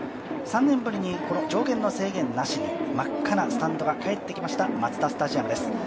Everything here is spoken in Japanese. ３年ぶりに上限の制限なしに、真っ赤なスタンドが帰ってきましたマツダスタジアムです。